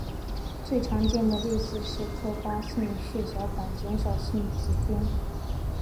最常见的类型是特发性血小板减少性紫癜。